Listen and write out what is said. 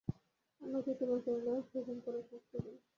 আমাকে তোমার করে নাও– হুকুম করো, শাস্তি দাও।